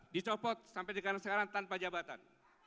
dicopot sampai sekarang tanpa jabatan